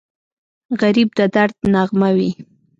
غریب د درد نغمه وي